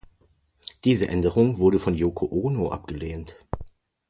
Diese Änderung wurde von Yoko Ono abgelehnt.